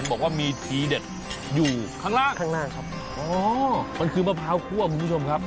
บอกว่ามีทีเด็ดอยู่ข้างล่างข้างหน้าครับอ๋อมันคือมะพร้าวคั่วคุณผู้ชมครับ